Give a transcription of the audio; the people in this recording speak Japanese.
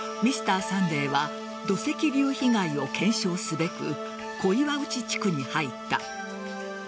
「Ｍｒ．サンデー」は土石流被害を検証すべく小岩内地区に入った。